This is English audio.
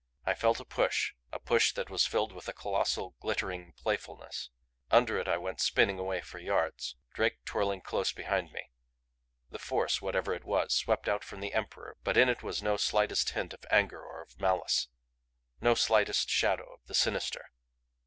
I felt a push a push that was filled with a colossal, GLITTERING playfulness. Under it I went spinning away for yards Drake twirling close behind me. The force, whatever it was, swept out from the Emperor, but in it was no slightest hint of anger or of malice, no slightest shadow of the sinister.